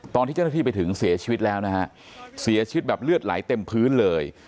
ตอนที่เจ้าหน้าที่ไปถึงเสียชีวิตแล้วนะฮะเสียชีวิตแบบเลือดไหลเต็มพื้นเลย